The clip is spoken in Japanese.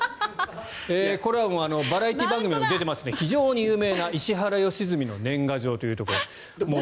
これはバラエティー番組にも出ていますので非常に有名な石原良純の年賀状というところ。